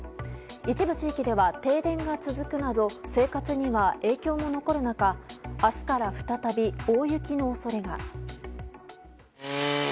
一部地域では停電が続くなど生活には影響も残る中明日から再び大雪の恐れが。